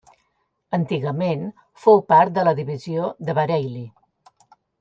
Antigament fou part de la divisió de Bareilly.